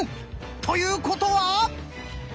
ということは！